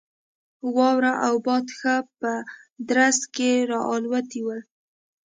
واوره او باد ښه په درز کې را الوتي ول.